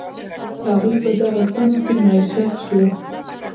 هغوی په دغو سیمو کې مېشت شول.